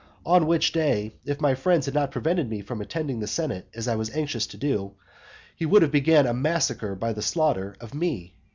On which day, if my friends had not prevented me from attending the senate as I was anxious to do, he would have begun a massacre by the slaughter of me.